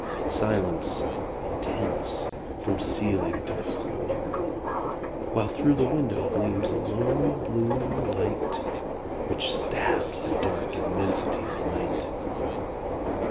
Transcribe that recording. Silence intense from ceiling to the floor; While through the window gleams a lone blue light Which stabs the dark immensity of night.